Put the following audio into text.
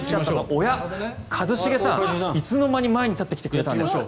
おや、一茂さん、いつの間に前に立ってきてくれたんですか？